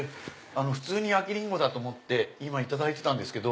普通に焼きリンゴだと思って今いただいてたんですけど。